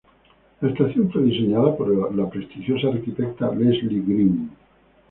La estación fue diseñada por la prestigiosa arquitecta Leslie Green.